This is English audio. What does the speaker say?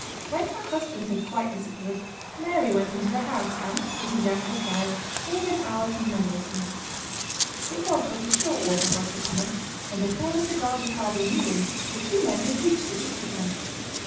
When her husband had quite disappeared Mary went into the house, and, sitting down at the piano, gave an hour to Mendelssohn. It was but a short walk across the common, and before the cigars required renewing the two men had reached the gipsy camp.